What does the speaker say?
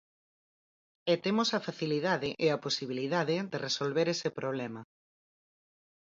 E temos a facilidade e a posibilidade de resolver ese problema.